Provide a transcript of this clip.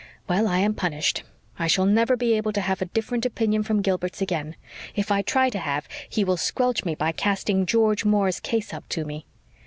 Well, I am punished: I shall never be able to have a different opinion from Gilbert's again! If I try to have, he will squelch me by casting George Moore's case up to me!"